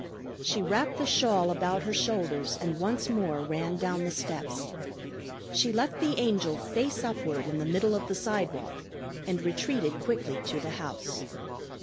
She wrapped the shawl about her shoulders and once more ran down the steps. She left the Angel face upward in the middle of the sidewalk, and retreated quickly to the house.